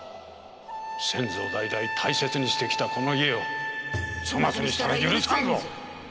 先祖代々大切にしてきたこの家を粗末にしたら許さんぞ。